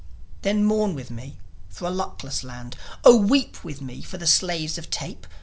Then mourn with me for a luckless land, Oh, weep with me for the slaves of tape!